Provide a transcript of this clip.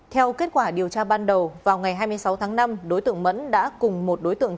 theo kết quả điều tra ban đầu vào ngày hai mươi sáu tháng năm đối tượng mẫn đã cùng một đối tượng